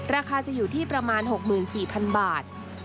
ราคาจะอยู่ที่ประมาณ๖๔๐๐๐บาท